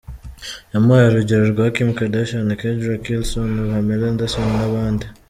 Yamuhaye urugero rwa Kim Kardashian, Kendra Wilkinson, Pamela Anderson n’abandi.